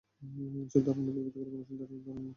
এসব ধারণার ওপর ভিত্তি করে অংশীদারির ধরন ঠিক করে নেওয়া হবে।